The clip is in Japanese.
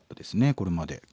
これまで。